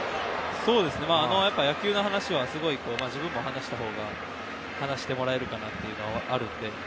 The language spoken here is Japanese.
そうですね、野球の話は自分も話していったほうが話してもらえるかなというのはあるので。